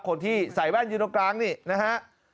คนที่ใส่แว่นยุโนกร้างนี่นะฮะ